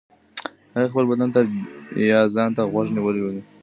هغې خپل بدن يا ځان ته غوږ نيولی دی.